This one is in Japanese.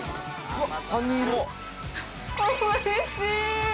おいしい。